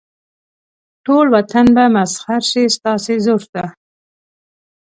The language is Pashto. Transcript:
ټول وطن به مسخر شي ستاسې زور ته.